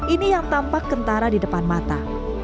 ini yang tampak kentara di depan mata